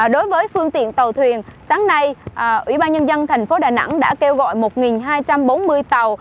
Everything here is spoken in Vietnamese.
đối với phương tiện tàu thuyền sáng nay ủy ban nhân dân thành phố đà nẵng đã kêu gọi một hai trăm bốn mươi tàu